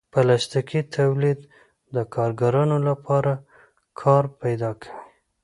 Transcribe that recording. پلاستيکي تولید د کارګرانو لپاره کار پیدا کوي.